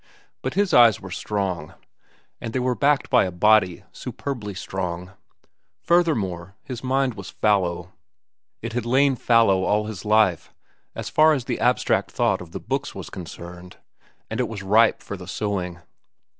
But his eyes were strong, and they were backed by a body superbly strong. Furthermore, his mind was fallow. It had lain fallow all his life so far as the abstract thought of the books was concerned, and it was ripe for the sowing.